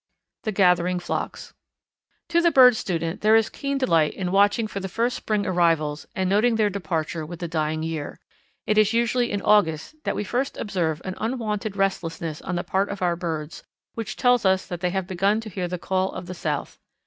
The Gathering Flocks. To the bird student there is keen delight in watching for the first spring arrivals and noting their departure with the dying year. It is usually in August that we first observe an unwonted restlessness on the part of our birds which tells us that they have begun to hear the call of the South.